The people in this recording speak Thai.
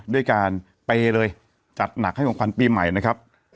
ด้วยการเปย์เลยจัดหนักให้ของขวัญปีใหม่นะครับ